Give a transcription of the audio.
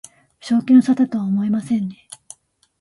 正気の沙汰とは思えませんね